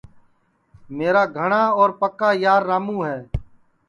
میرا گھٹا اور پکا یارراموں ہے